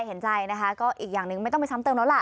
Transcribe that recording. เห็นใจนะคะก็อีกอย่างหนึ่งไม่ต้องไปซ้ำเติมแล้วล่ะ